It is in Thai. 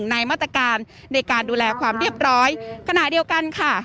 ในมาตรการในการดูแลความเรียบร้อยขณะเดียวกันค่ะ